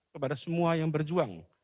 kepada semua yang berjuang